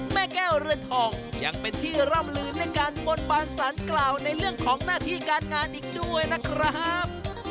แม่แก้วเรือนทองยังเป็นที่ร่ำลืนในการบนบานสารกล่าวในเรื่องของหน้าที่การงานอีกด้วยนะครับ